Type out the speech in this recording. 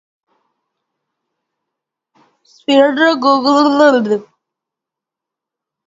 Speedy taunts George with a match and sets him up to take the explosions.